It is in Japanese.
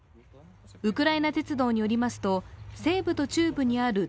ウクライナ鉄道によりますと西部と中部にあります